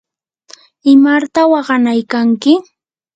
¿imarta waqanaykanki?